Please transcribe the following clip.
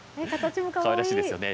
かわいらしいですよね。